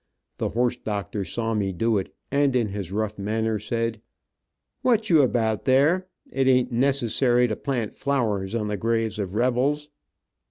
The horse doctor saw me do it, and in his rough manner said, "What you about there? It ain t necessary to plant flowers on the graves of rebels.